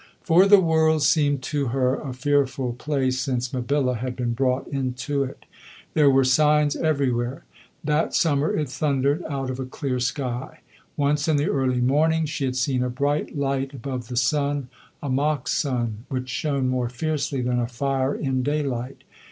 For the world seemed to her a fearful place since Mabilla had been brought into it. There were signs everywhere. That summer it thundered out of a clear sky. Once in the early morning she had seen a bright light above the sun a mock sun which shone more fiercely than a fire in daylight.